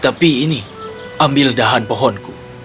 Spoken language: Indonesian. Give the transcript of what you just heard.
tapi ini ambil dahan pohonku